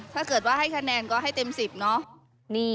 ถ้าเกิดว่าให้คะแนนก็ให้เต็ม๑๐เนอะ